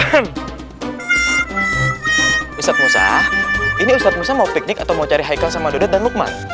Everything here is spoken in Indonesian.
ustadz musa ini ustadz musa mau piknik atau mau cari haikal sama dodot dan lukman